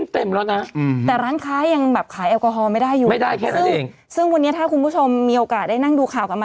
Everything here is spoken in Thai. แท็กซี่กลับมาวิ่งเต็มแล้วนะ